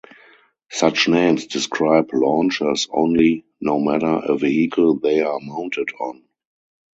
Such names describe launchers only no matter a vehicle they are mounted on.